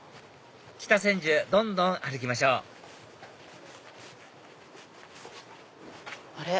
北千住どんどん歩きましょうあれ？